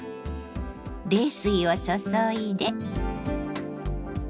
冷水を注いで。